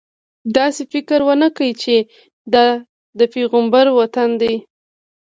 داسې فکر ونه کړې چې دا د پیغمبر وطن دی.